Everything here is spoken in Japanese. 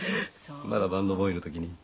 まだバンドボーイの時に。